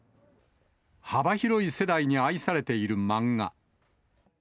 幅広い世代に愛されている漫画。